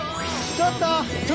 ちょっと！